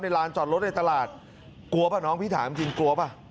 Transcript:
ลานจอดรถในตลาดกลัวป่ะน้องพี่ถามจริงกลัวป่ะ